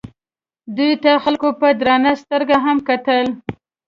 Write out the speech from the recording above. دوی ته خلکو په درنه سترګه هم کتل.